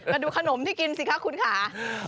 แต่ดูขนมที่กินสิคะคุณค่ะ